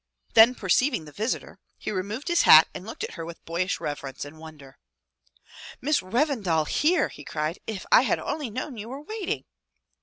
'' Then perceiving the visitor, he removed his hat and looked at her with boyish reverence and wonder. "Miss Revendal here!" he cried. "If I had only known you were waiting.